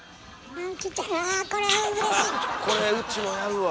あっこれうちもやるわ。